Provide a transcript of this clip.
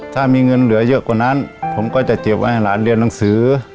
ถ้ามีเงินเหลือเยอะกว่านั้นผมก็จะเก็บไว้ให้หลานเรียนหนังสือ